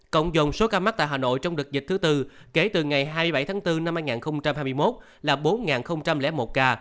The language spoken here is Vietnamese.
cộng dồn số ca mắc tại hà nội trong đợt dịch thứ tư kể từ ngày hai mươi bảy tháng bốn năm hai nghìn hai mươi một là bốn một ca